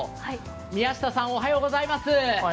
宮下さん、おはようございます。